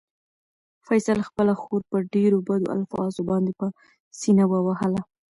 فیصل خپله خور په ډېرو بدو الفاظو باندې په سېنه ووهله.